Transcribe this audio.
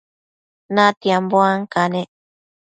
natianbo ancanec